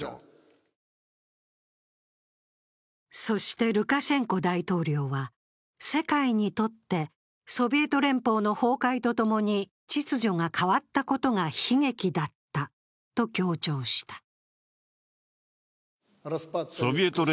そして、ルカシェンコ大統領は世界にとってソビエト連邦の崩壊とともに秩序が変わったことが悲劇だったと強調した。